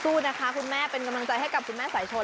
สู้นะคะคุณแม่เป็นกำลังใจให้กับคุณแม่สายชน